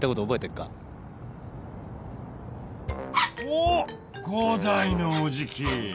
おっ伍代のおじき